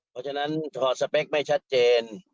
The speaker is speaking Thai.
เพราะฉะนั้นถอดสเปคไม่ชัดเจน